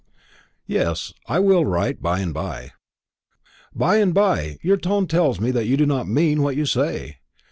"Yes; I will write by and by." "By and by! Your tone tells me that you do not mean what you say.